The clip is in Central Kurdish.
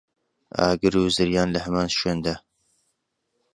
ئاگر و زریان لە هەمان شوێندا